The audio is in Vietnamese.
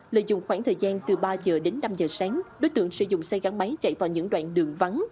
lợi dụng khoảng thời gian từ ba giờ đến năm giờ sáng đối tượng sẽ dùng xe gắn máy chạy vào những đoạn đường vắng